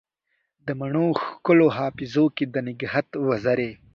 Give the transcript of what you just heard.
د مڼو ښکلو حافظو کې دنګهت وزرې